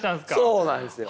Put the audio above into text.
そうなんですよ。